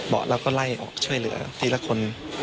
เราก็ไล่ออกช่วยเหลือทีละคน